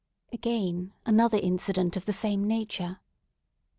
Again, another incident of the same nature.